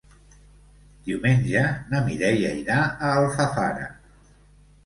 Diumenge na Mireia irà a Alfafara.